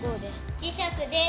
磁石です。